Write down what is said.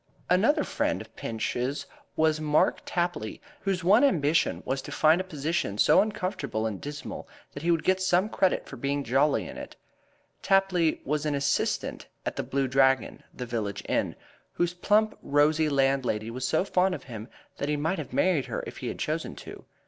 Another friend of Pinch's was Mark Tapley, a rakish, good humored fellow, whose one ambition was to find a position so uncomfortable and dismal that he would get some credit for being jolly in it. Tapley was an assistant at The Blue Dragon, the village inn, whose plump, rosy landlady was so fond of him that he might have married her if he had chosen to.